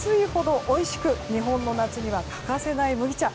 暑いほどおいしく日本の夏には欠かせない麦茶。